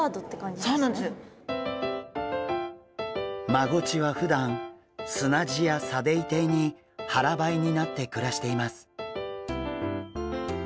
マゴチはふだん砂地や砂泥底に腹ばいになって暮らしています。